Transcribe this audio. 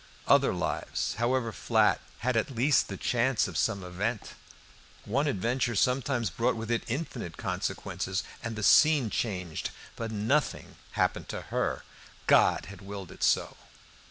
Other lives, however flat, had at least the chance of some event. One adventure sometimes brought with it infinite consequences and the scene changed. But nothing happened to her; God had willed it so!